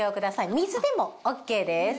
水でもＯＫです。